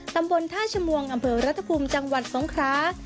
ตำบลท่าชมวงอำเภอรัฐภูมิจังหวัดสงครา